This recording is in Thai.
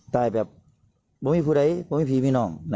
ตายแบบไม่มีผู้ใดไม่มีผู้นอน